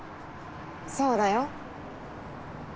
そうだよ。